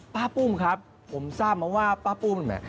ป้าปุ้มครับผมทราบมาว่าป้าปุ้ม